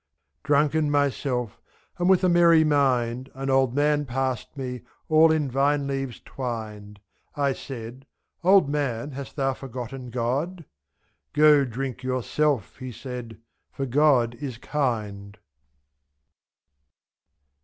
Drunken myself, and with a merry mind. An old man passed me, all in vine leaves twined ; ^0. 1 said, "Old man, hast thou forgotten God?" "Go, drink yourself," he said, "for God is kind."